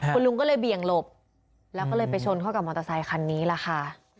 คุณลุงก็เลยเบี่ยงหลบแล้วก็เลยไปชนเข้ากับมอเตอร์ไซคันนี้แหละค่ะ